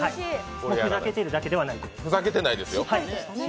ふざけているだけではないと。